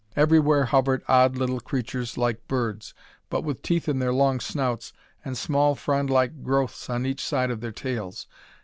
Everywhere hovered odd little creatures like birds, but with teeth in their long snouts and small frondlike growths on each side of their tails.